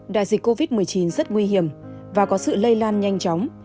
đại dịch covid một mươi chín rất nguy hiểm và có sự lây lan nhanh chóng